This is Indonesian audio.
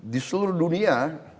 di seluruh dunia